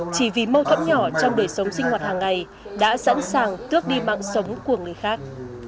chỉ vì mâu thuẫn nhỏ trong đời sống sinh hoạt hàng ngày đã sẵn sàng tước đi mạng sống của người khác